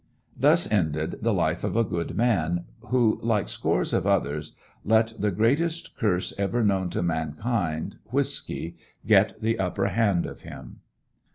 Thus ended the life of a good man who, like scores of others, let the greatest curse ever known to mankind, whisky, get the upper hand of him.